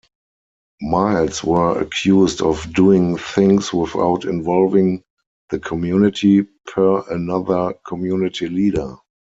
Miles were accused of "doing things without involving the community," per another community leader.